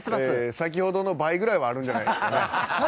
先ほどの倍くらいはあるんじゃないですかね。